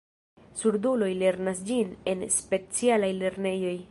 Surduloj lernas ĝin en specialaj lernejoj.